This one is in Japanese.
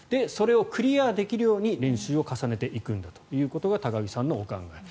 それをクリアできるように練習を重ねていくんだということが高木さんのお考え。